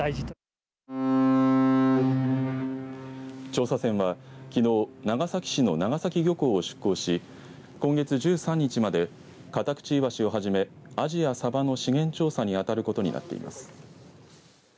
調査船は、きのう長崎市の長崎漁港を出港し今月１３日までカタクチイワシをはじめアジやサバの資源調査に当たることになっています。